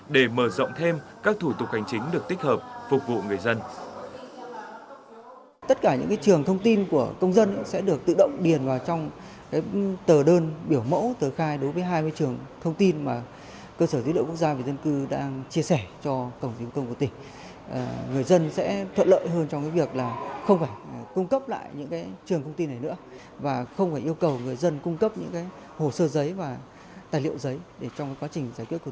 để mở rộng thêm các thủ tục hành chính được tích hợp phục vụ người dân